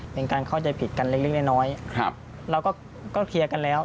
เป็นการเข้าใจผิดกันเล็กน้อยเราก็เคลียร์กันแล้ว